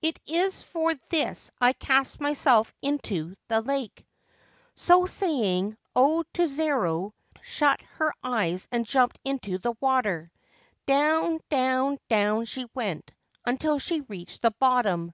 It is for this I cast myself into the lake !' So saying, O Tsuru shut her eyes and jumped into the water. Down, down, down she went, until she reached the bottom.